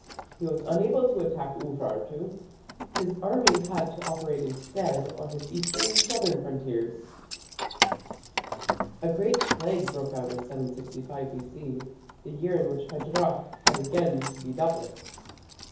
He was unable to attack Urartu. His army had to operate instead on his eastern and southern frontiers. A great plague broke out in 765 B.C., the year in which Hadrach had again to be dealt with.